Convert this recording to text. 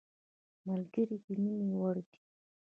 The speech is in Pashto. ملګری د مینې وړ دی